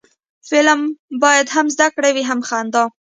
فلم باید هم زده کړه وي، هم خندا